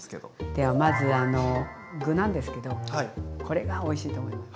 ではまずあの具なんですけどこれがおいしいと思います。